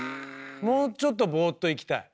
もうちょっとボーっと生きたい。